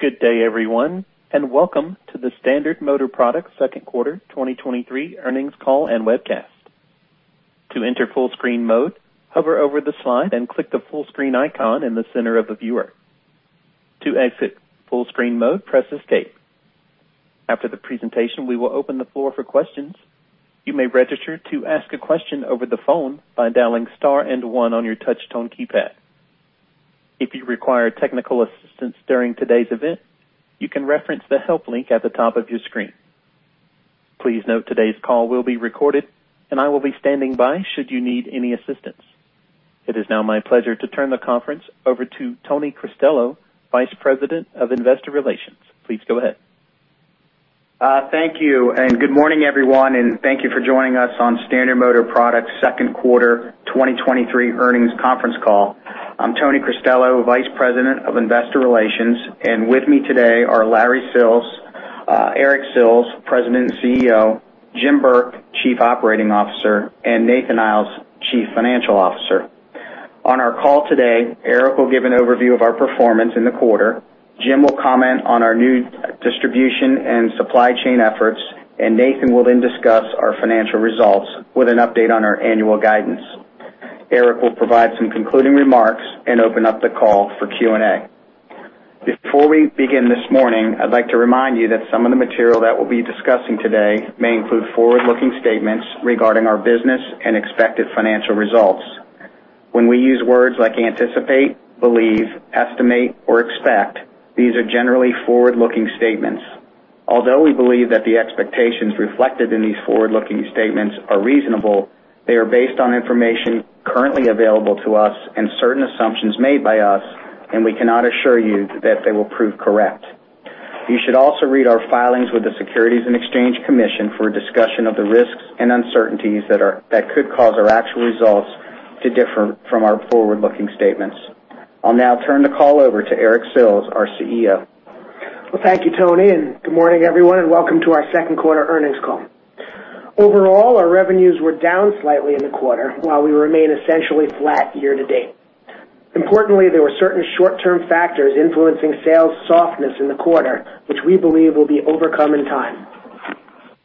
Good day, everyone, and welcome to the Standard Motor Products Second Quarter 2023 Earnings Call and Webcast. To enter full screen mode, hover over the slide and click the full screen icon in the center of the viewer. To exit full screen mode, press Escape. After the presentation, we will open the floor for questions. You may register to ask a question over the phone by dialing star and one on your touch-tone keypad. If you require technical assistance during today's event, you can reference the Help link at the top of your screen. Please note, today's call will be recorded and I will be standing by should you need any assistance. It is now my pleasure to turn the conference over to Tony Cristello, Vice President of Investor Relations. Please go ahead. Thank you, and good morning, everyone, and thank you for joining us on Standard Motor Products second quarter 2023 earnings conference call. I'm Tony Cristello, Vice President of Investor Relations, and with me today are Larry Sills, Eric Sills, President and CEO, Jim Burke, Chief Operating Officer, and Nathan Iles, Chief Financial Officer. On our call today, Eric will give an overview of our performance in the quarter. Jim will comment on our new distribution and supply chain efforts, and Nathan will then discuss our financial results with an update on our annual guidance. Eric will provide some concluding remarks and open up the call for Q&A. Before we begin this morning, I'd like to remind you that some of the material that we'll be discussing today may include forward-looking statements regarding our business and expected financial results. When we use words like anticipate, believe, estimate, or expect, these are generally forward-looking statements. Although we believe that the expectations reflected in these forward-looking statements are reasonable, they are based on information currently available to us and certain assumptions made by us, and we cannot assure you that they will prove correct. You should also read our filings with the Securities and Exchange Commission for a discussion of the risks and uncertainties that could cause our actual results to differ from our forward-looking statements. I'll now turn the call over to Eric Sills, our CEO. Well, thank you, Tony, good morning, everyone, welcome to our second quarter earnings call. Overall, our revenues were down slightly in the quarter, while we remain essentially flat year to date. Importantly, there were certain short-term factors influencing sales softness in the quarter, which we believe will be overcome in time.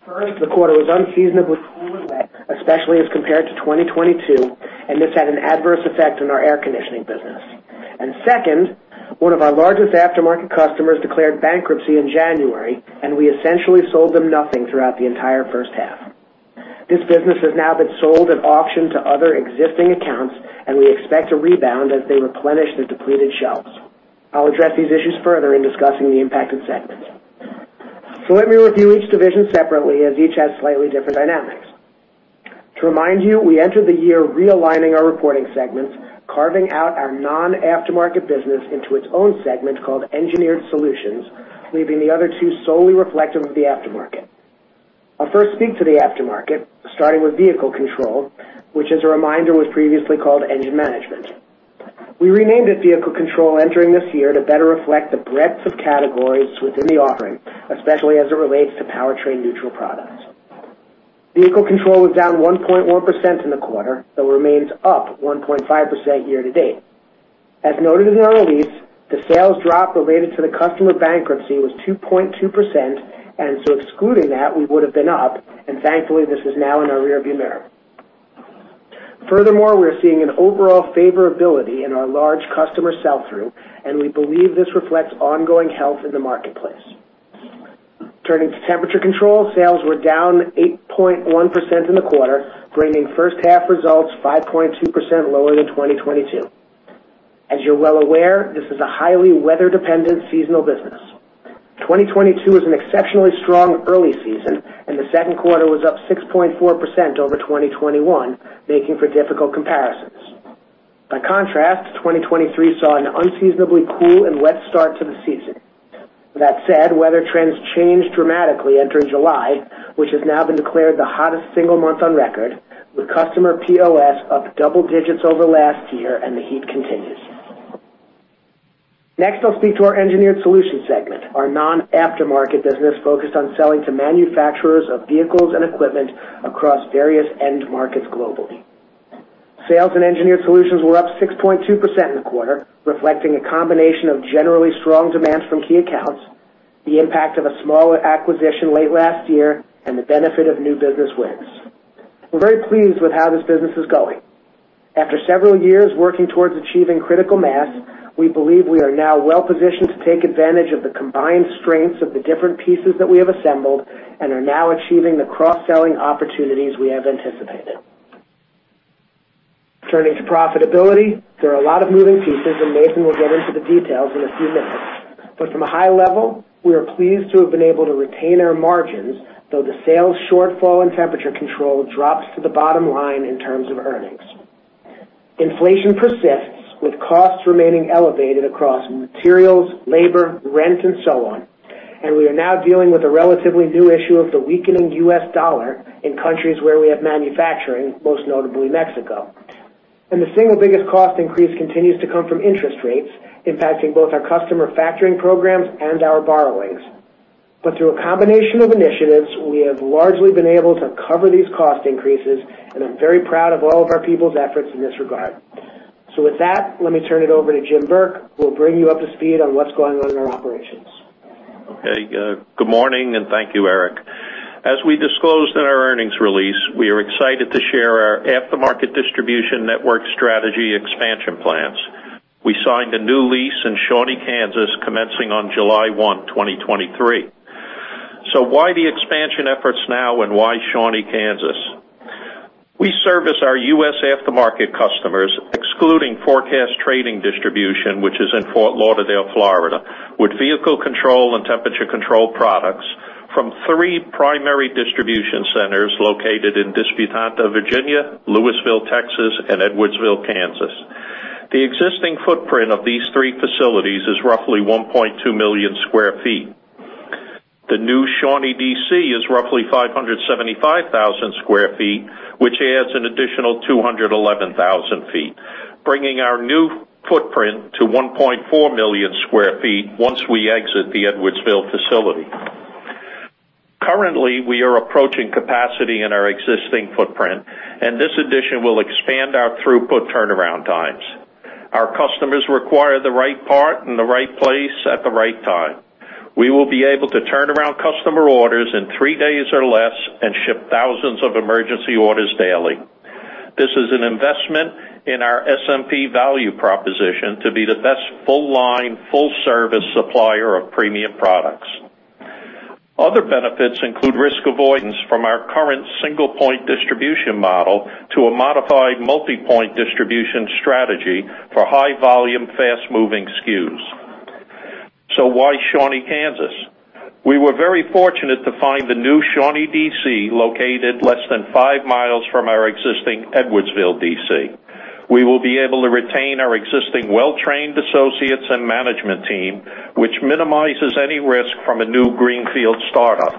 First, the quarter was unseasonably cool and wet, especially as compared to 2022, this had an adverse effect on our air conditioning business. Second, one of our largest aftermarket customers declared bankruptcy in January, we essentially sold them nothing throughout the entire first half. This business has now been sold at auction to other existing accounts, we expect a rebound as they replenish their depleted shelves. I'll address these issues further in discussing the impacted segments. Let me review each division separately, as each has slightly different dynamics. To remind you, we entered the year realigning our reporting segments, carving out our non-aftermarket business into its own segment, called Engineered Solutions, leaving the other two solely reflective of the aftermarket. I'll first speak to the aftermarket, starting with Vehicle Control, which, as a reminder, was previously called Engine Management. We renamed it Vehicle Control entering this year to better reflect the breadth of categories within the offering, especially as it relates to powertrain-neutral products. Vehicle Control was down 1.1% in the quarter, though remains up 1.5% year-to-date. As noted in our release, the sales drop related to the customer bankruptcy was 2.2%, and so excluding that, we would have been up and thankfully, this is now in our rearview mirror. Furthermore, we are seeing an overall favorability in our large customer sell-through. We believe this reflects ongoing health in the marketplace. Turning to Temperature Control, sales were down 8.1% in the quarter, bringing first half results 5.2% lower than 2022. As you're well aware, this is a highly weather-dependent seasonal business. 2022 was an exceptionally strong early season. The second quarter was up 6.4% over 2021, making for difficult comparisons. By contrast, 2023 saw an unseasonably cool and wet start to the season. That said, weather trends changed dramatically entering July, which has now been declared the hottest single month on record, with customer POS up double digits over last year. The heat continues. Next, I'll speak to our Engineered Solutions segment, our non-aftermarket business focused on selling to manufacturers of vehicles and equipment across various end markets globally. Sales in Engineered Solutions were up 6.2% in the quarter, reflecting a combination of generally strong demands from key accounts, the impact of a small acquisition late last year, and the benefit of new business wins. We're very pleased with how this business is going. After several years working towards achieving critical mass, we believe we are now well positioned to take advantage of the combined strengths of the different pieces that we have assembled and are now achieving the cross-selling opportunities we have anticipated. Turning to profitability, there are a lot of moving pieces, and Nathan will get into the details in a few minutes. From a high level, we are pleased to have been able to retain our margins, though the sales shortfall in Temperature Control drops to the bottom line in terms of earnings. Inflation persists, with costs remaining elevated across materials, labor, rent, and so on, and we are now dealing with a relatively new issue of the weakening U.S. dollar in countries where we have manufacturing, most notably Mexico. The single biggest cost increase continues to come from interest rates, impacting both our customer factoring programs and our borrowings. Through a combination of initiatives, we have largely been able to cover these cost increases, and I'm very proud of all of our people's efforts in this regard. With that, let me turn it over to James Burke, who will bring you up to speed on what's going on in our operations. Okay. Good morning, and thank you, Eric. As we disclosed in our earnings release, we are excited to share our aftermarket distribution network strategy expansion plans. We signed a new lease in Shawnee, Kansas, commencing on July 1, 2023. Why the expansion efforts now, and why Shawnee, Kansas? We service our U.S. aftermarket customers, excluding Forecast Trading Distribution, which is in Fort Lauderdale, Florida, with Vehicle Control and Temperature Control products from three primary distribution centers located in Disputanta, Virginia, Lewisville, Texas, and Edwardsville, Kansas. The existing footprint of these three facilities is roughly 1.2 million sq ft. The new Shawnee DC is roughly 575,000 sq ft, which adds an additional 211,000 sq ft, bringing our new footprint to 1.4 million sq ft once we exit the Edwardsville facility. Currently, we are approaching capacity in our existing footprint. This addition will expand our throughput turnaround times. Our customers require the right part in the right place at the right time. We will be able to turn around customer orders in three days or less and ship thousands of emergency orders daily. This is an investment in our SMP value proposition to be the best full-line, full-service supplier of premium products. Other benefits include risk avoidance from our current single-point distribution model to a modified multi-point distribution strategy for high-volume, fast-moving SKUs. Why Shawnee, Kansas? We were very fortunate to find the new Shawnee DC located less than 5 mi from our existing Edwardsville DC. We will be able to retain our existing well-trained associates and management team, which minimizes any risk from a new greenfield startup.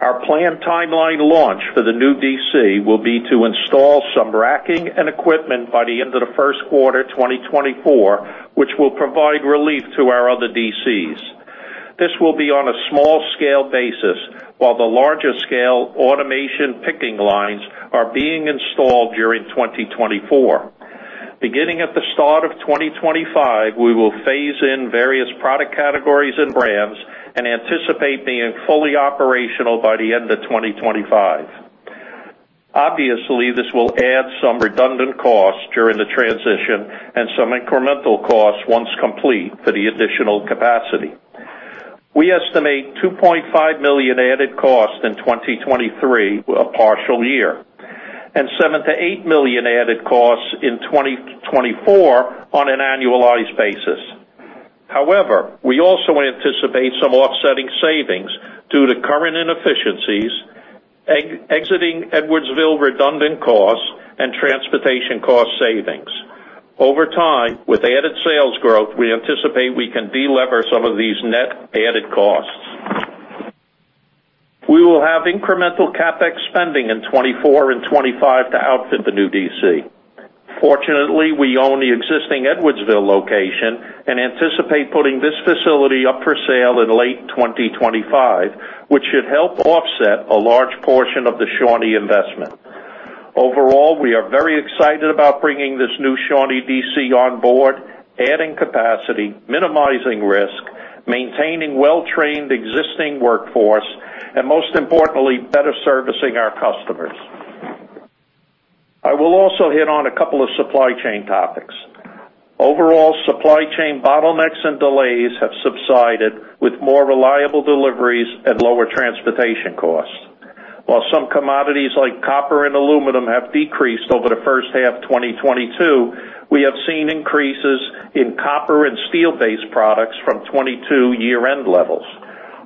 Our planned timeline launch for the new DC will be to install some racking and equipment by the end of the first quarter, 2024, which will provide relief to our other DCs. This will be on a small-scale basis, while the larger scale automation picking lines are being installed during 2024. Beginning at the start of 2025, we will phase in various product categories and brands and anticipate being fully operational by the end of 2025. Obviously, this will add some redundant costs during the transition and some incremental costs once complete for the additional capacity. We estimate $2.5 million added costs in 2023, a partial year, and $7 million-$8 million added costs in 2024 on an annualized basis. We also anticipate some offsetting savings due to current inefficiencies, exiting Edwardsville redundant costs, and transportation cost savings. Over time, with added sales growth, we anticipate we can delever some of these net added costs. We will have incremental CapEx spending in 2024 and 2025 to outfit the new DC. Fortunately, we own the existing Edwardsville location and anticipate putting this facility up for sale in late 2025, which should help offset a large portion of the Shawnee investment. Overall, we are very excited about bringing this new Shawnee DC on board, adding capacity, minimizing risk, maintaining well-trained existing workforce, and most importantly, better servicing our customers. I will also hit on a couple of supply chain topics. Overall, supply chain bottlenecks and delays have subsided with more reliable deliveries and lower transportation costs. While some commodities like copper and aluminum have decreased over the first half 2022, we have seen increases in copper and steel-based products from 2022 year-end levels.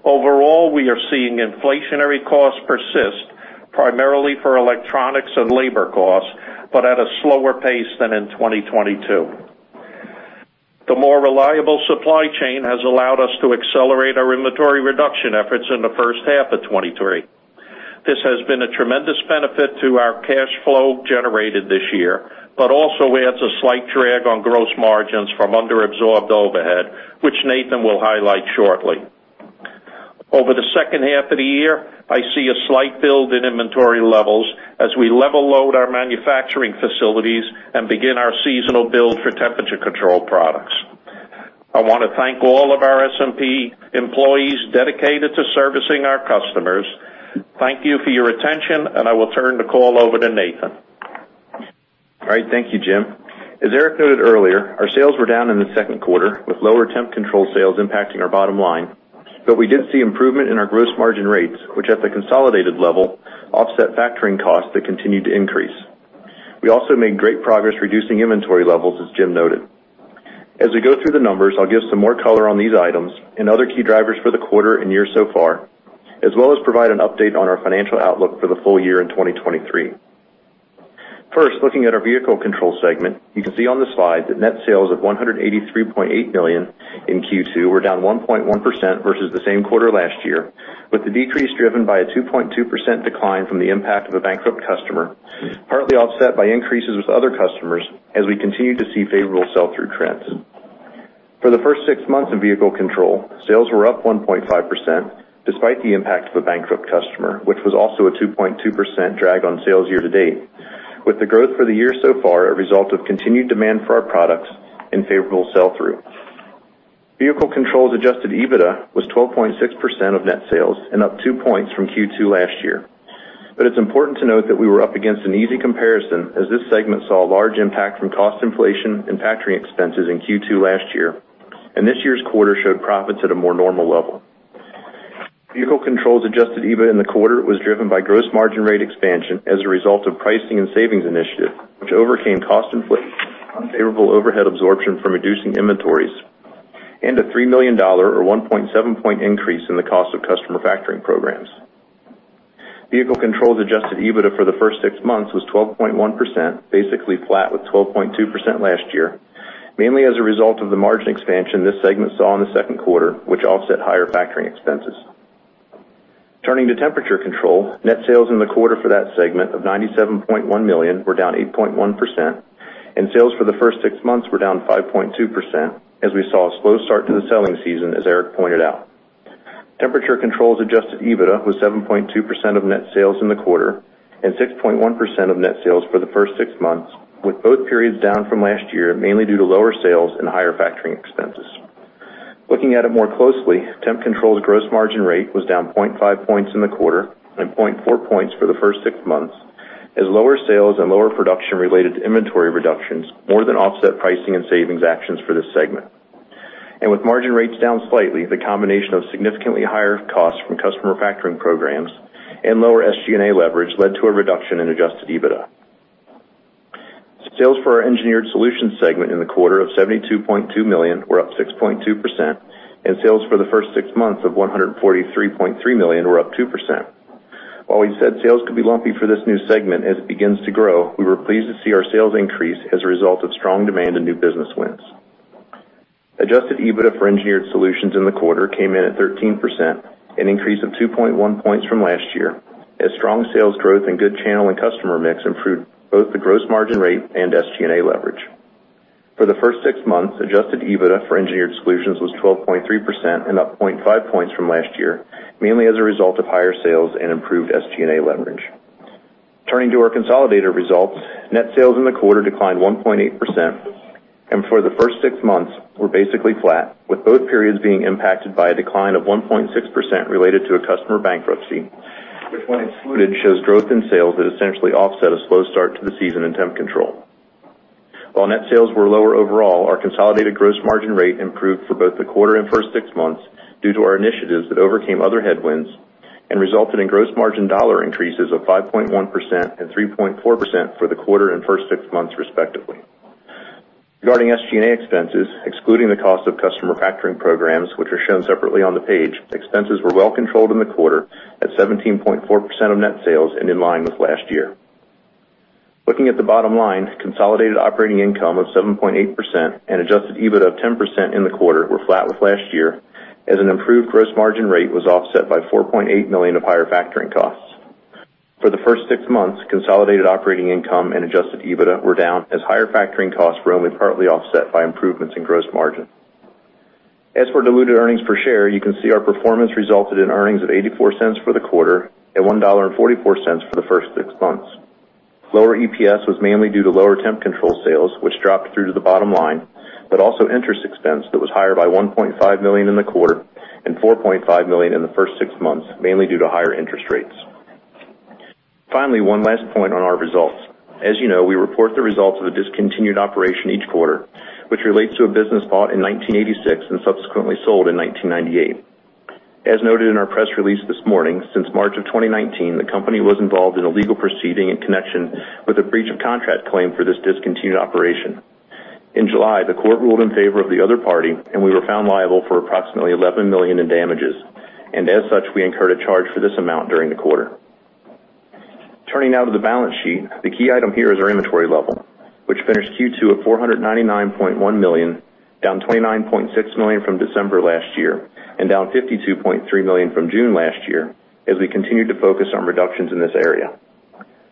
Overall, we are seeing inflationary costs persist, primarily for electronics and labor costs, but at a slower pace than in 2022. The more reliable supply chain has allowed us to accelerate our inventory reduction efforts in the first half of 2023. This has been a tremendous benefit to our cash flow generated this year, but also adds a slight drag on gross margins from under-absorbed overhead, which Nathan will highlight shortly. Over the second half of the year, I see a slight build in inventory levels as we level load our manufacturing facilities and begin our seasonal build for Temperature Control products. I want to thank all of our SMP employees dedicated to servicing our customers. Thank you for your attention, and I will turn the call over to Nathan. All right, thank you, Jim. As Eric noted earlier, our sales were down in the second quarter, with lower Temperature Control sales impacting our bottom line. We did see improvement in our gross margin rates, which, at the consolidated level, offset factoring costs that continued to increase. We also made great progress reducing inventory levels, as Jim noted. As we go through the numbers, I'll give some more color on these items and other key drivers for the quarter and year so far, as well as provide an update on our financial outlook for the full year in 2023. First, looking at our Vehicle Control segment, you can see on the slide that net sales of $183.8 million in Q2 were down 1.1% versus the same quarter last year, with the decrease driven by a 2.2% decline from the impact of a bankrupt customer, partly offset by increases with other customers as we continue to see favorable sell-through trends. For the first six months of Vehicle Control, sales were up 1.5%, despite the impact of a bankrupt customer, which was also a 2.2% drag on sales year to date, with the growth for the year so far a result of continued demand for our products and favorable sell-through. Vehicle Control's Adjusted EBITDA was 12.6% of net sales and up two points from Q2 last year. It's important to note that we were up against an easy comparison as this segment saw a large impact from cost inflation and factory expenses in Q2 last year, and this year's quarter showed profits at a more normal level. Vehicle Control Adjusted EBITDA in the quarter was driven by gross margin rate expansion as a result of pricing and savings initiative, which overcame cost inflation, unfavorable overhead absorption from reducing inventories, and a $3 million or 1.7 percentage point increase in the cost of customer factoring programs. Vehicle Control Adjusted EBITDA for the first six months was 12.1%, basically flat, with 12.2% last year, mainly as a result of the margin expansion this segment saw in the second quarter, which offset higher factoring expenses. Turning to Temperature Control, net sales in the quarter for that segment of $97.1 million were down 8.1%, sales for the first six months were down 5.2% as we saw a slow start to the selling season, as Eric pointed out. Temperature Control's Adjusted EBITDA was 7.2% of net sales in the quarter and 6.1% of net sales for the first six months, with both periods down from last year, mainly due to lower sales and higher factoring expenses. Looking at it more closely, Temp Control's gross margin rate was down 0.5 points in the quarter and 0.4 points for the first six months, as lower sales and lower production related to inventory reductions more than offset pricing and savings actions for this segment. With margin rates down slightly, the combination of significantly higher costs from customer factoring programs and lower SG&A leverage led to a reduction in Adjusted EBITDA. Sales for our Engineered Solutions segment in the quarter of $72.2 million were up 6.2%, and sales for the first six months of $143.3 million were up 2%. While we said sales could be lumpy for this new segment as it begins to grow, we were pleased to see our sales increase as a result of strong demand and new business wins. Adjusted EBITDA for Engineered Solutions in the quarter came in at 13%, an increase of 2.1 points from last year, as strong sales growth and good channel and customer mix improved both the gross margin rate and SG&A leverage. For the first six months, Adjusted EBITDA for Engineered Solutions was 12.3% and up 0.5 points from last year, mainly as a result of higher sales and improved SG&A leverage. Turning to our consolidated results, net sales in the quarter declined 1.8%, and for the first six months were basically flat, with both periods being impacted by a decline of 1.6% related to a customer bankruptcy, which, when excluded, shows growth in sales that essentially offset a slow start to the season in Temperature Control. While net sales were lower overall, our consolidated gross margin rate improved for both the quarter and first six months due to our initiatives that overcame other headwinds and resulted in gross margin dollar increases of 5.1% and 3.4% for the quarter and first six months, respectively. Regarding SG&A expenses, excluding the cost of customer factoring programs, which are shown separately on the page, expenses were well controlled in the quarter at 17.4% of net sales and in line with last year. Looking at the bottom line, consolidated operating income of 7.8% and Adjusted EBITDA of 10% in the quarter were flat with last year as an improved gross margin rate was offset by $4.8 million of higher factoring costs. For the first six months, consolidated operating income and Adjusted EBITDA were down as higher factoring costs were only partly offset by improvements in gross margin. As for diluted earnings per share, you can see our performance resulted in earnings of $0.84 for the quarter and $1.44 for the first six months. Lower EPS was mainly due to lower Temperature Control sales, which dropped through to the bottom line, but also interest expense that was higher by $1.5 million in the quarter and $4.5 million in the first six months, mainly due to higher interest rates. One last point on our results. As you know, we report the results of the discontinued operation each quarter, which relates to a business bought in 1986 and subsequently sold in 1998. As noted in our press release this morning, since March of 2019, the company was involved in a legal proceeding in connection with a breach of contract claim for this discontinued operation. In July, the court ruled in favor of the other party, and we were found liable for approximately $11 million in damages, and as such, we incurred a charge for this amount during the quarter. Turning now to the balance sheet. The key item here is our inventory level, which finished Q2 at $499.1 million, down $29.6 million from December last year and down $52.3 million from June last year. As we continue to focus on reductions in this area,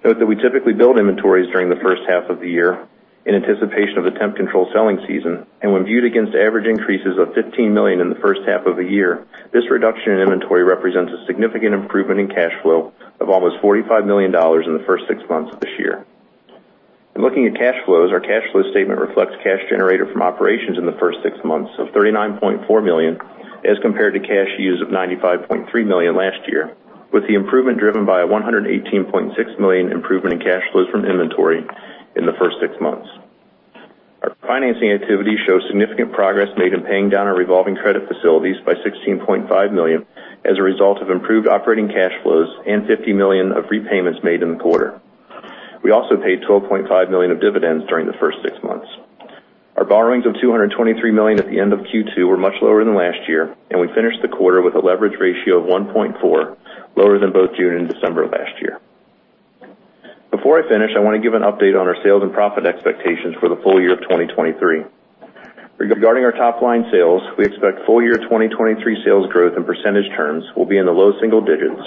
note that we typically build inventories during the first half of the year in anticipation of the Temperature Control selling season. When viewed against average increases of $15 million in the first half of the year, this reduction in inventory represents a significant improvement in cash flow of almost $45 million in the first six months of this year. Looking at cash flows, our cash flow statement reflects cash generated from operations in the first six months of $39.4 million, as compared to cash use of $95.3 million last year, with the improvement driven by a $118.6 million improvement in cash flows from inventory in the first six months. Our financing activity shows significant progress made in paying down our revolving credit facilities by $16.5 million as a result of improved operating cash flows and $50 million of repayments made in the quarter. We also paid $12.5 million of dividends during the first six months. Our borrowings of $223 million at the end of Q2 were much lower than last year, and we finished the quarter with a leverage ratio of 1.4, lower than both June and December of last year. Before I finish, I want to give an update on our sales and profit expectations for the full year of 2023. Regarding our top line sales, we expect full year 2023 sales growth and percentage terms will be in the low single digits...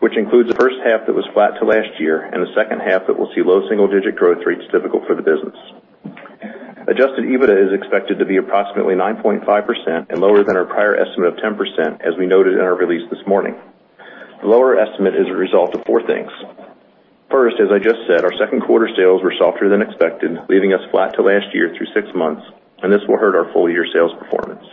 Which includes the first half that was flat to last year and the second half that will see low single-digit growth rates typical for the business. Adjusted EBITDA is expected to be approximately 9.5% and lower than our prior estimate of 10%, as we noted in our release this morning. The lower estimate is a result of four things. First, as I just said, our second quarter sales were softer than expected, leaving us flat to last year through six months. This will hurt our full-year sales performance.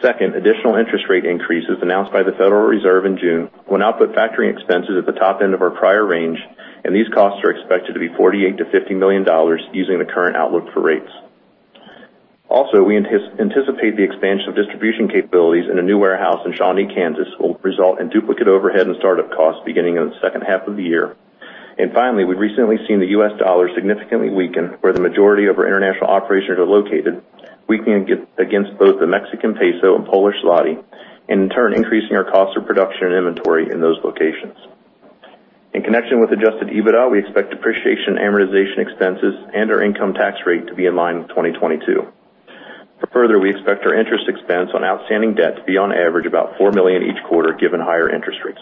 Second, additional interest rate increases announced by the Federal Reserve in June, when output factoring expenses at the top end of our prior range. These costs are expected to be $48 million-$50 million, using the current outlook for rates. Also, we anticipate the expansion of distribution capabilities in a new warehouse in Shawnee, Kansas, will result in duplicate overhead and startup costs beginning in the second half of the year. Finally, we've recently seen the U.S. dollar significantly weaken, where the majority of our international operations are located, weakening against both the Mexican peso and Polish zloty, and in turn, increasing our costs of production and inventory in those locations. In connection with Adjusted EBITDA, we expect depreciation and amortization expenses and our income tax rate to be in line with 2022. We expect our interest expense on outstanding debt to be on average, about $4 million each quarter, given higher interest rates.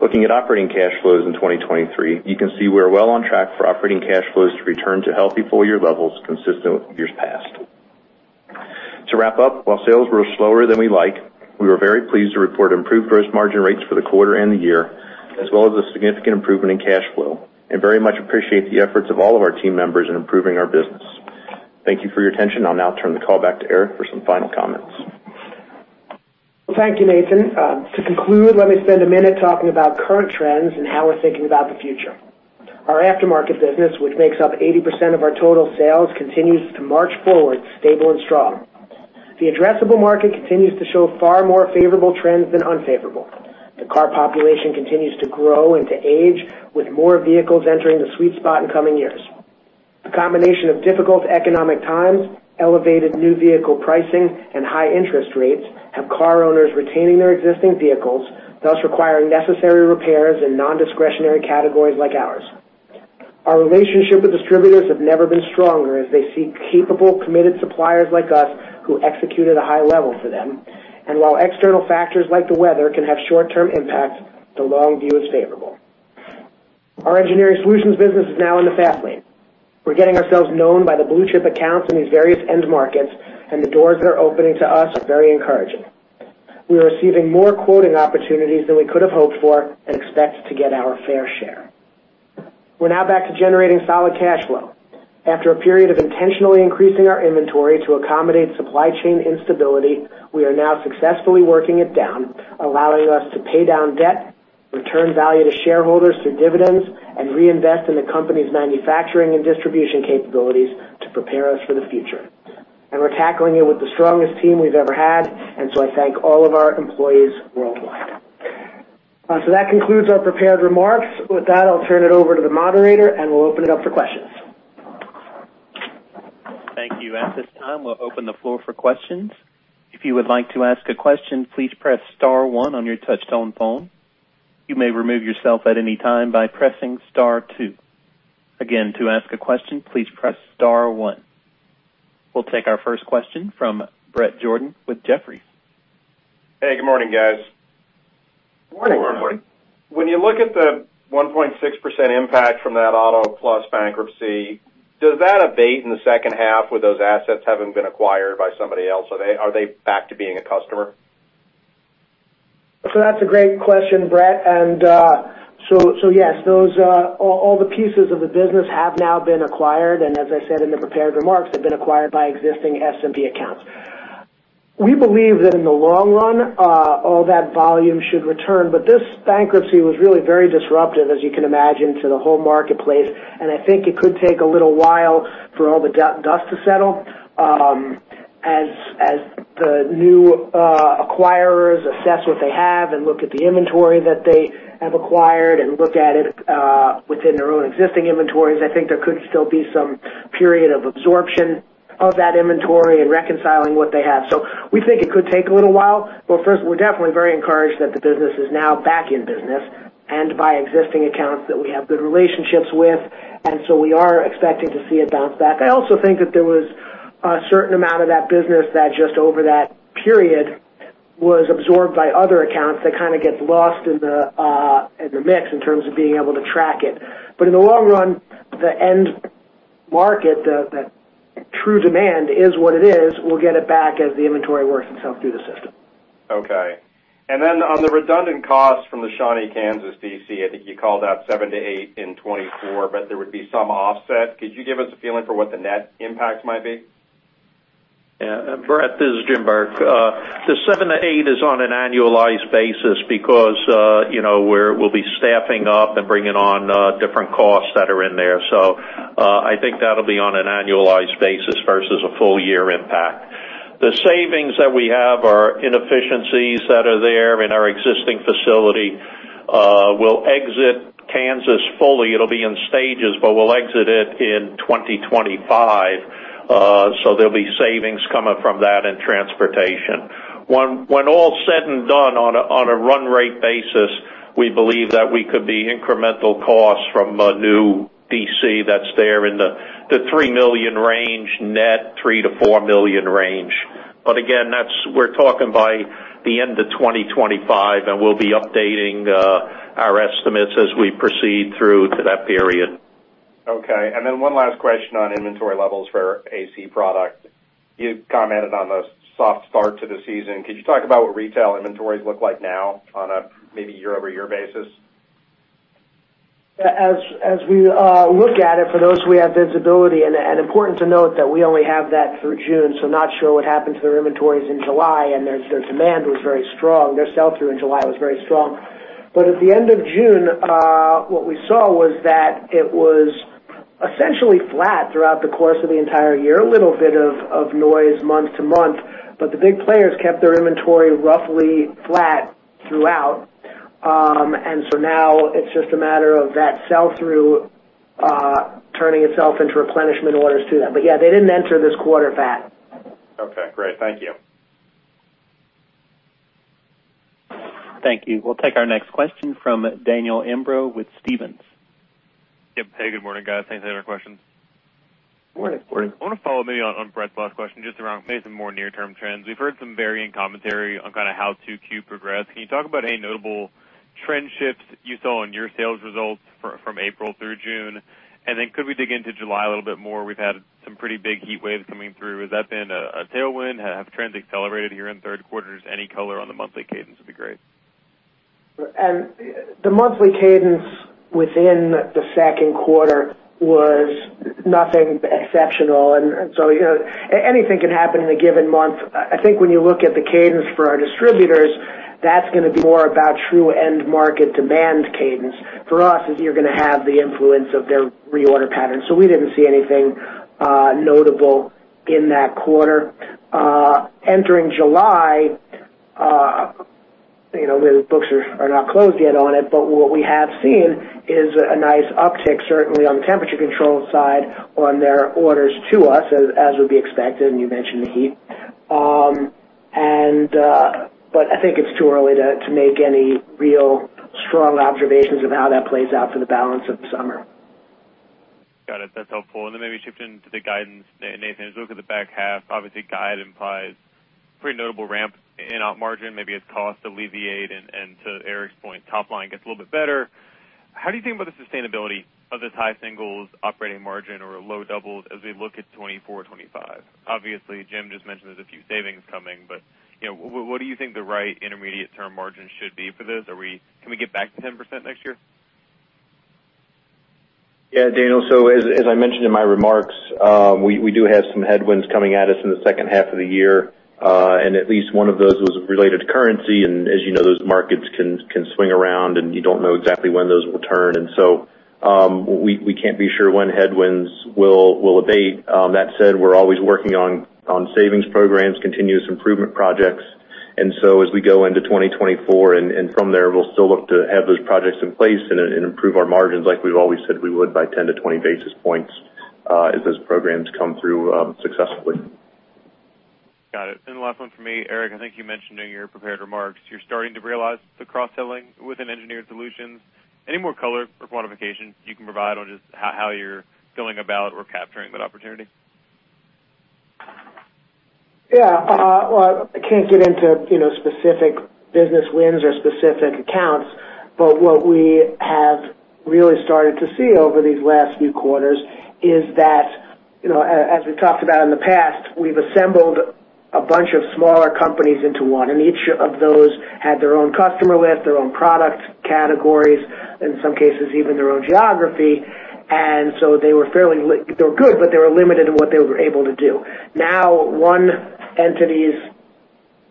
Looking at operating cash flows in 2023, you can see we're well on track for operating cash flows to return to healthy full year levels consistent with years past. To wrap up, while sales were slower than we like, we were very pleased to report improved gross margin rates for the quarter and the year, as well as a significant improvement in cash flow, and very much appreciate the efforts of all of our team members in improving our business. Thank you for your attention. I'll now turn the call back to Eric for some final comments. Thank you, Nathan. To conclude, let me spend a minute talking about current trends and how we're thinking about the future. Our aftermarket business, which makes up 80% of our total sales, continues to march forward, stable and strong. The addressable market continues to show far more favorable trends than unfavorable. The car population continues to grow and to age, with more vehicles entering the sweet spot in coming years. A combination of difficult economic times, elevated new vehicle pricing, and high interest rates, have car owners retaining their existing vehicles, thus requiring necessary repairs in non-discretionary categories like ours. Our relationship with distributors have never been stronger as they seek capable, committed suppliers like us, who execute at a high level for them. While external factors like the weather can have short-term impacts, the long view is favorable. Our Engineered Solutions business is now in the fast lane. We're getting ourselves known by the blue-chip accounts in these various end markets. The doors that are opening to us are very encouraging. We are receiving more quoting opportunities than we could have hoped for and expect to get our fair share. We're now back to generating solid cash flow. After a period of intentionally increasing our inventory to accommodate supply chain instability, we are now successfully working it down, allowing us to pay down debt, return value to shareholders through dividends, reinvest in the company's manufacturing and distribution capabilities to prepare us for the future. We're tackling it with the strongest team we've ever had. I thank all of our employees worldwide. That concludes our prepared remarks. With that, I'll turn it over to the moderator, and we'll open it up for questions. Thank you. At this time, we'll open the floor for questions. If you would like to ask a question, please press star one on your touchtone phone. You may remove yourself at any time by pressing star two. Again, to ask a question, please press star one. We'll take our first question from Bret Jordan with Jefferies. Hey, good morning, guys. Good morning. When you look at the 1.6% impact from that Auto Plus bankruptcy, does that abate in the second half with those assets having been acquired by somebody else? Are they, are they back to being a customer? That's a great question, Bret. Yes, those, all the pieces of the business have now been acquired, and as I said in the prepared remarks, have been acquired by existing SMP accounts. We believe that in the long run, all that volume should return, but this bankruptcy was really very disruptive, as you can imagine, to the whole marketplace, and I think it could take a little while for all the dust to settle. As the new acquirers assess what they have and look at the inventory that they have acquired and look at it, within their own existing inventories, I think there could still be some period of absorption of that inventory and reconciling what they have. We think it could take a little while. First, we're definitely very encouraged that the business is now back in business and by existing accounts that we have good relationships with, and so we are expecting to see it bounce back. I also think that there was a certain amount of that business that just over that period, was absorbed by other accounts that kind of get lost in the in the mix in terms of being able to track it. In the long run, the end market, the, the true demand is what it is, we'll get it back as the inventory works itself through the system. Okay. Then on the redundant costs from the Shawnee, Kansas, DC, I think you called out $7 million-$8 million in 2024. There would be some offset. Could you give us a feeling for what the net impact might be? Yeah, Bret, this is James Burke. The $7 million-$8 million is on an annualized basis because, you know, we'll be staffing up and bringing on different costs that are in there. I think that'll be on an annualized basis versus a full year impact. The savings that we have are inefficiencies that are there in our existing facility. We'll exit Kansas fully. It'll be in stages, but we'll exit it in 2025, so there'll be savings coming from that in transportation. When all said and done, on a run rate basis, we believe that we could be incremental costs from a new DC that's there in the $3 million range, net $3 million-$4 million range. Again, that's we're talking by the end of 2025, and we'll be updating our estimates as we proceed through to that period. Okay. One last question on inventory levels for AC product. You commented on the soft start to the season. Could you talk about what retail inventories look like now on a maybe year-over-year basis? Yeah, as, as we look at it, for those, we have visibility, and, and important to note that we only have that through June, so not sure what happened to their inventories in July, and their, their demand was very strong. Their sell-through in July was very strong. At the end of June, what we saw was that it was essentially flat throughout the course of the entire year, a little bit of, of noise month to month, but the big players kept their inventory roughly flat throughout. Now it's just a matter of that sell-through turning itself into replenishment orders to them. Yeah, they didn't enter this quarter fat. Okay, great. Thank you. Thank you. We'll take our next question from Daniel Imbro with Stephens. Yep. Hey, good morning, guys. Thanks. I have questions. Morning. I wanna follow maybe on, on Bret's last question, just around maybe some more near-term trends. We've heard some varying commentary on kind of how 2Q progressed. Can you talk about any notable trend shifts you saw on your sales results from April through June? Could we dig into July a little bit more? We've had some pretty big heat waves coming through. Has that been a tailwind? Have trends accelerated here in the third quarter? Just any color on the monthly cadence would be great. The monthly cadence within the second quarter was nothing exceptional. So, you know, anything can happen in a given month. I think when you look at the cadence for our distributors, that's gonna be more about true end market demand cadence. For us, is you're gonna have the influence of their reorder patterns, so we didn't see anything notable in that quarter. Entering July, you know, the books are not closed yet on it, but what we have seen is a nice uptick, certainly on the Temperature Control side, on their orders to us, as would be expected, and you mentioned the heat. I think it's too early to make any real strong observations of how that plays out for the balance of the summer. Got it. That's helpful. Then maybe shifting to the guidance, Nathan, as you look at the back half, obviously, guide implies pretty notable ramp in op margin, maybe as costs alleviate, and, and to Eric's point, top line gets a little bit better. How do you think about the sustainability of this high singles operating margin or low doubles as we look at 2024, 2025? Obviously, Jim just mentioned there's a few savings coming, but, you know, what do you think the right intermediate-term margin should be for this? Can we get back to 10% next year? Yeah, Daniel, so as, as I mentioned in my remarks, we, we do have some headwinds coming at us in the second half of the year, and at least one of those was related to currency. As you know, those markets can, can swing around, and you don't know exactly when those will turn. We, we can't be sure when headwinds will, will abate. That said, we're always working on, on savings programs, continuous improvement projects. As we go into 2024, and, and from there, we'll still look to have those projects in place and, and improve our margins like we've always said we would, by 10 to 20 basis points, as those programs come through, successfully. Got it. The last one from me. Eric, I think you mentioned in your prepared remarks, you're starting to realize the cross-selling within Engineered Solutions. Any more color or quantification you can provide on just how, how you're feeling about or capturing that opportunity? Yeah, well, I can't get into, you know, specific business wins or specific accounts, but what we have really started to see over these last few quarters is that, you know, as, as we've talked about in the past, we've assembled a bunch of smaller companies into one, and each of those had their own customer list, their own product categories, in some cases, even their own geography. So they were fairly they were good, but they were limited in what they were able to do. Now, one entity's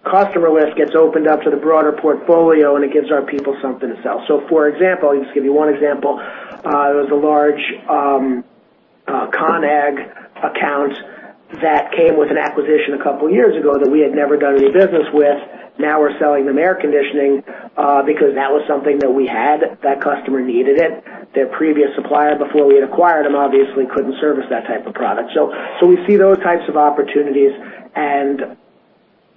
customer list gets opened up to the broader portfolio, it gives our people something to sell. So for example, I'll just give you one example. It was a large ConAg account that came with an acquisition two years ago that we had never done any business with. We're selling them air conditioning because that was something that we had. That customer needed it. Their previous supplier, before we had acquired them, obviously couldn't service that type of product. So we see those types of opportunities, and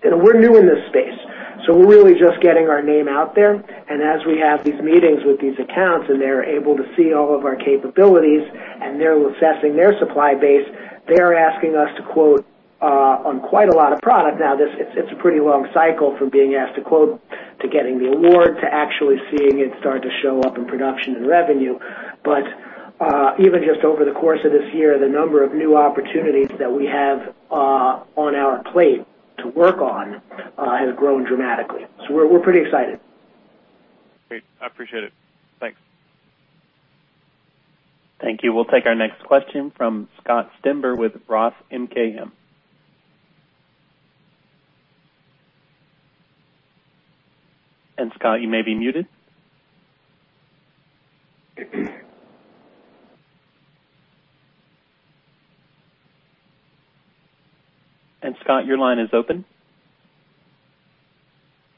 we're new in this space, so we're really just getting our name out there. As we have these meetings with these accounts, and they're able to see all of our capabilities, and they're assessing their supply base, they are asking us to quote on quite a lot of product. It's a pretty long cycle from being asked to quote, to getting the award, to actually seeing it start to show up in production and revenue. Even just over the course of this year, the number of new opportunities that we have, on our plate to work on, has grown dramatically. We're, we're pretty excited. Great. I appreciate it. Thanks. Thank you. We'll take our next question from Scott Stember with Roth MKM. Scott, you may be muted. Scott, your line is open.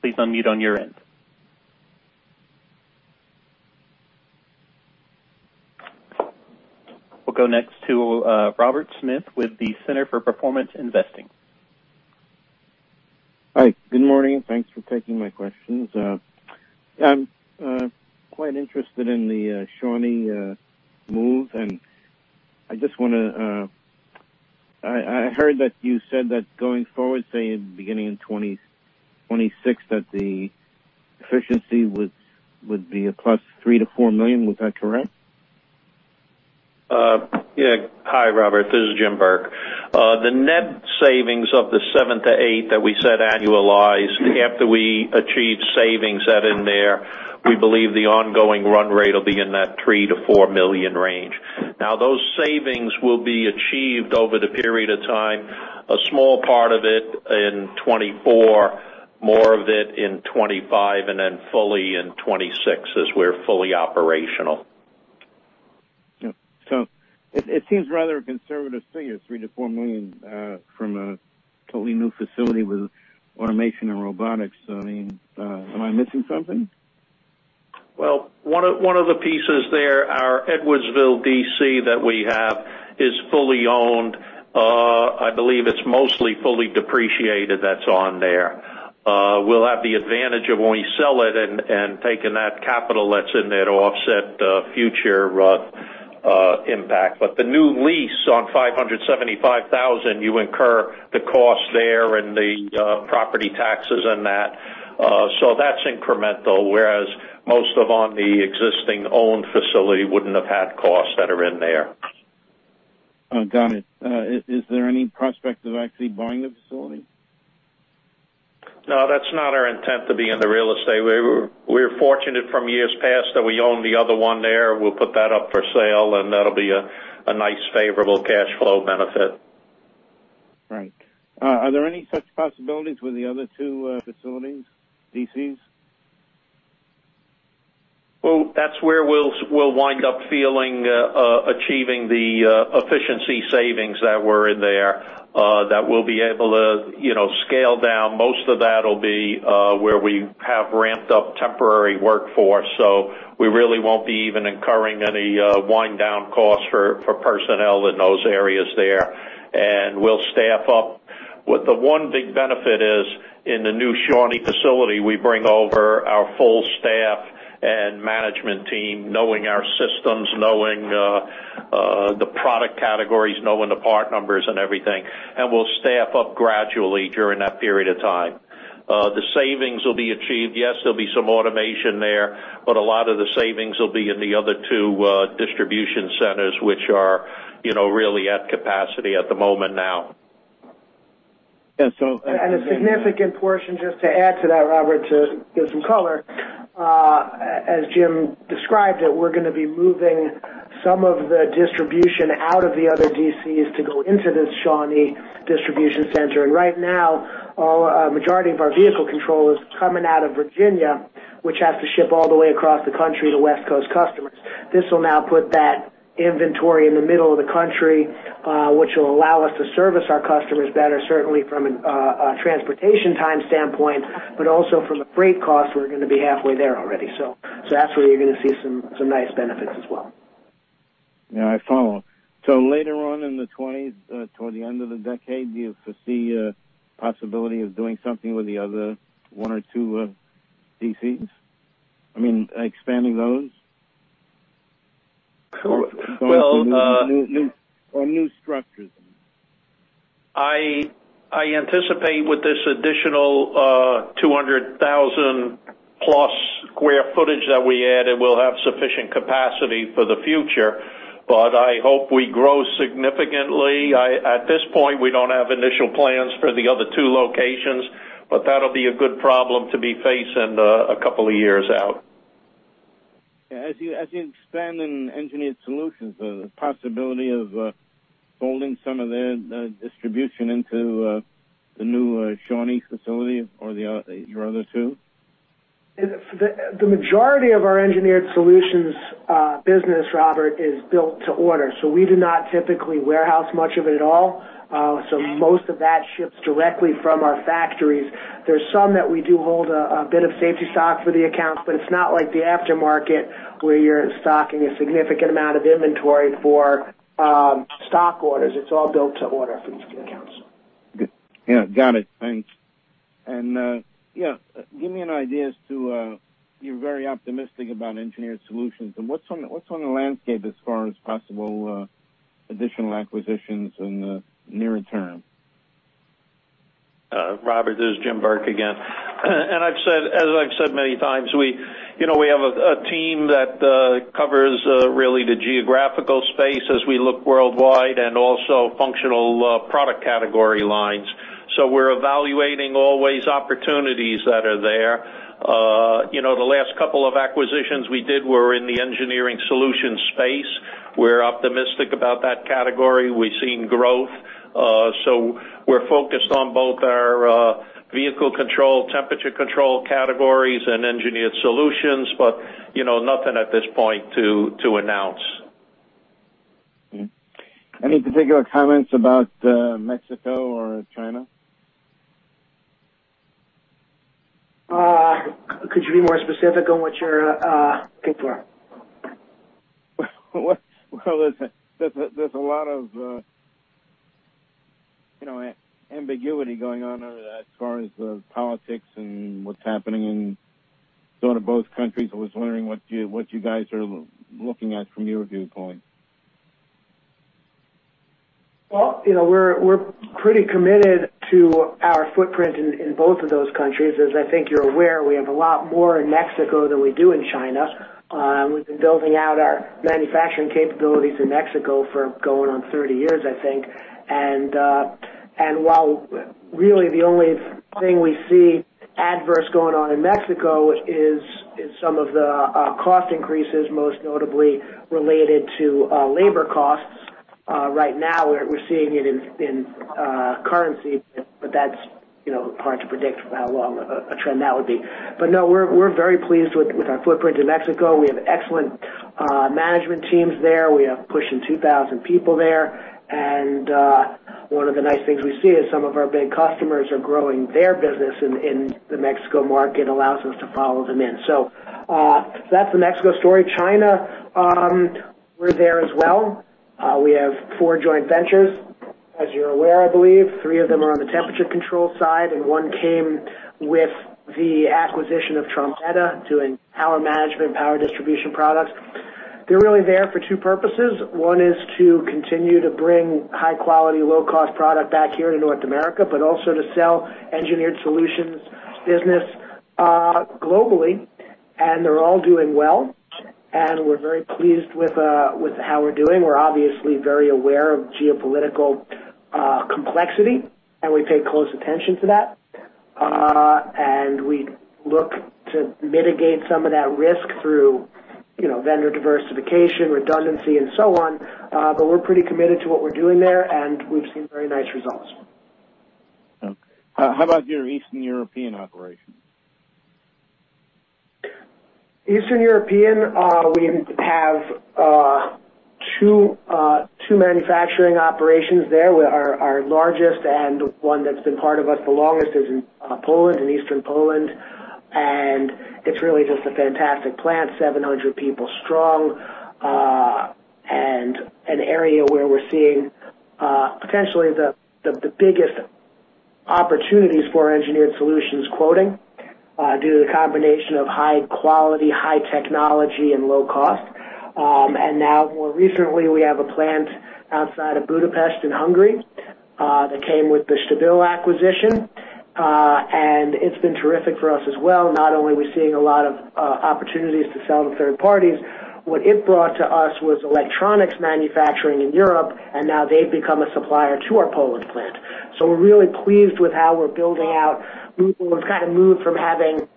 Please unmute on your end. We'll go next to, Robert Smith with the Center for Performance Investing. Hi. Good morning. Thanks for taking my questions. I'm quite interested in the Shawnee move.... I just wanna, I, I heard that you said that going forward, say, beginning in 2026, that the efficiency would, would be a plus $3 million-$4 million. Was that correct? Yeah. Hi, Robert. This is James Burke. The net savings of the $7 million-$8 million that we said annualize, after we achieve savings that in there, we believe the ongoing run rate will be in that $3 million-$4 million range. Now, those savings will be achieved over the period of time, a small part of it in 2024, more of it in 2025, and then fully in 2026, as we're fully operational. Yeah. It, it seems rather a conservative figure, $3 million-$4 million, from a totally new facility with automation and robotics. I mean, am I missing something? Well, one of, one of the pieces there, our Edwardsville DC that we have, is fully owned. I believe it's mostly fully depreciated that's on there. We'll have the advantage of when we sell it and, and taking that capital that's in there to offset, future, impact. The new lease on 575,000, you incur the cost there and the, property taxes on that. That's incremental, whereas most of on the existing owned facility wouldn't have had costs that are in there. Oh, got it. Is there any prospect of actually buying the facility? No, that's not our intent to be in the real estate. We're fortunate from years past that we own the other one there. We'll put that up for sale, and that'll be a, a nice, favorable cash flow benefit. Right. Are there any such possibilities with the other two facilities, DCs? Well, that's where we'll, we'll wind up feeling, achieving the efficiency savings that were in there, that we'll be able to, you know, scale down. Most of that'll be where we have ramped-up temporary workforce, so we really won't be even incurring any wind-down costs for personnel in those areas there, and we'll staff up. What the one big benefit is, in the new Shawnee facility, we bring over our full staff and management team, knowing our systems, knowing the product categories, knowing the part numbers and everything, and we'll staff up gradually during that period of time. The savings will be achieved. Yes, there'll be some automation there, but a lot of the savings will be in the other two distribution centers, which are, you know, really at capacity at the moment now. And so- A significant portion, just to add to that, Robert, to give some color. As Jim described it, we're gonna be moving some of the distribution out of the other DCs to go into this Shawnee distribution center. Right now, all, a majority of our Vehicle Control is coming out of Virginia, which has to ship all the way across the country to West Coast customers. This will now put that inventory in the middle of the country, which will allow us to service our customers better, certainly from a transportation time standpoint, but also from a freight cost, we're gonna be halfway there already. So that's where you're gonna see some, some nice benefits as well. Yeah, I follow. Later on in the 20s, toward the end of the decade, do you foresee a possibility of doing something with the other one or two DCs? I mean, expanding those? Well. New, or new structures. I, I anticipate with this additional 200,000+ sq ft that we added, we'll have sufficient capacity for the future, but I hope we grow significantly. At this point, we don't have initial plans for the other two locations, but that'll be a good problem to be faced in a couple of years out. Yeah. As you, as you expand in Engineered Solutions, the possibility of folding some of the distribution into the new Shawnee facility or the other, your other two? The, the majority of our Engineered Solutions business, Robert, is built to order, so we do not typically warehouse much of it at all. Most of that ships directly from our factories. There's some that we do hold a, a bit of safety stock for the accounts, but it's not like the aftermarket, where you're stocking a significant amount of inventory for stock orders. It's all built to order for these accounts. Good. Yeah, got it. Thanks. Yeah, give me an idea as to, you're very optimistic about Engineered Solutions, and what's on, what's on the landscape as far as possible, additional acquisitions in the near term? Robert, this is James Burke again. As I've said many times, we, you know, we have a team that covers really the geographical space as we look worldwide and also functional product category lines. We're evaluating always opportunities that are there. You know, the last couple of acquisitions we did were in the Engineered Solutions space. We're optimistic about that category. We've seen growth, so we're focused on both our Vehicle Control, Temperature Control categories and Engineered Solutions. You know, nothing at this point to announce. Mm. Any particular comments about, Mexico or China? Could you be more specific on what your concerns are? Well, well, listen, there's a, there's a lot of, you know, ambiguity going on as far as the politics and what's happening in sort of both countries. I was wondering what you, what you guys are looking at from your viewpoint? Well, you know, we're, we're pretty committed to our footprint in, in both of those countries. As I think you're aware, we have a lot more in Mexico than we do in China. We've been building out our manufacturing capabilities in Mexico for going on 30 years, I think. While really the only thing we see adverse going on in Mexico is, is some of the cost increases, most notably related to labor costs. Right now, we're, we're seeing it in, in currency, but that's, you know, hard to predict how long of a trend that would be. No, we're, we're very pleased with, with our footprint in Mexico. We have excellent management teams there. We have pushing 2,000 people there. One of the nice things we see is some of our big customers are growing their business in, in the Mexico market, allows us to follow them in. That's the Mexico story. China, we're there as well. We have four joint ventures, as you're aware, I believe. Three of them are on the Temperature Control side, and one came with the acquisition of Trombetta, doing power management, power distribution products. They're really there for two purposes. One is to continue to bring high quality, low-cost product back here to North America, but also to sell Engineered Solutions business, globally. They're all doing well, and we're very pleased with how we're doing. We're obviously very aware of geopolitical complexity, and we pay close attention to that. We look to mitigate some of that risk through, you know, vendor diversification, redundancy, and so on. We're pretty committed to what we're doing there, and we've seen very nice results. Okay. How about your Eastern European operations? Eastern European, we have two, two manufacturing operations there. Where our, our largest and one that's been part of us the longest is in Poland, in eastern Poland, it's really just a fantastic plant, 700 people strong. An area where we're seeing potentially the, the, the biggest opportunities for Engineered Solutions quoting, due to the combination of high quality, high technology, and low cost. Now more recently, we have a plant outside of Budapest in Hungary that came with the Stabil acquisition. It's been terrific for us as well. Not only are we seeing a lot of opportunities to sell to third parties, what it brought to us was electronics manufacturing in Europe, and now they've become a supplier to our Poland plant. We're really pleased with how we're building out. We've kind of moved from having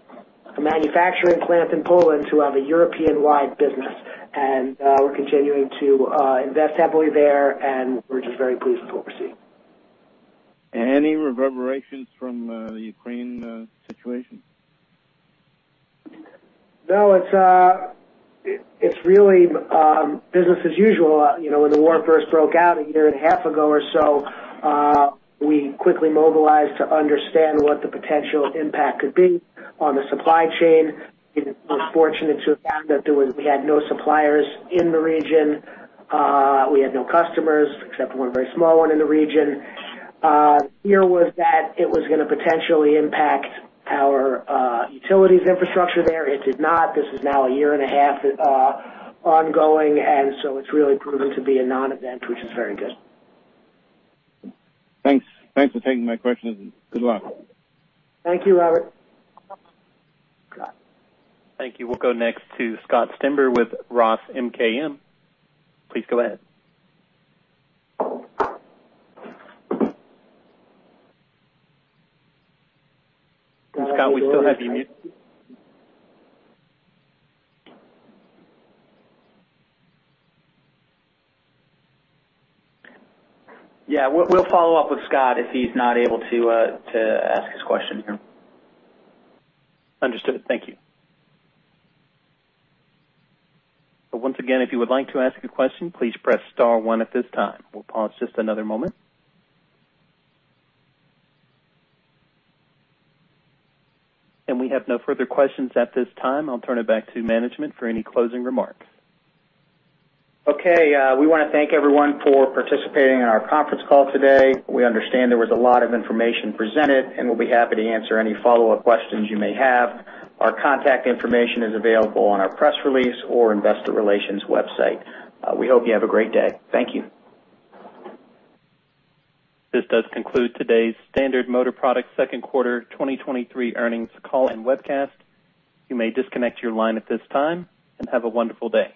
a manufacturing plant in Poland to have a European-wide business, and we're continuing to invest heavily there, and we're just very pleased with what we're seeing. Any reverberations from the Ukraine situation? No, it's, it's really business as usual. You know, when the war first broke out a year and a half ago or so, we quickly mobilized to understand what the potential impact could be on the supply chain. It was fortunate to have found that there was, we had no suppliers in the region. We had no customers, except one very small one in the region. Fear was that it was gonna potentially impact our utilities infrastructure there. It did not. This is now a year and a half ongoing, and so it's really proven to be a non-event, which is very good. Thanks. Thanks for taking my questions. Good luck. Thank you, Robert. Thank you. We'll go next to Scott Stember with Roth MKM. Please go ahead. Scott, we still have you muted. Yeah, we'll, we'll follow up with Scott if he's not able to, to ask his question here. Understood. Thank you. Once again, if you would like to ask a question, please press star one at this time. We'll pause just another moment. We have no further questions at this time. I'll turn it back to management for any closing remarks. Okay, we want to thank everyone for participating in our conference call today. We understand there was a lot of information presented, and we'll be happy to answer any follow-up questions you may have. Our contact information is available on our press release or investor relations website. We hope you have a great day. Thank you. This does conclude today's Standard Motor Products second quarter 2023 earnings call and webcast. You may disconnect your line at this time, and have a wonderful day.